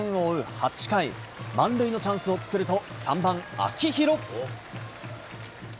８回、満塁のチャンスを作ると３番秋広。